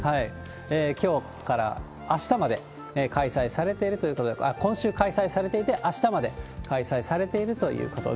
きょうからあしたまで開催されているということで、あっ、今週開催されていて、あしたまで開催されているということ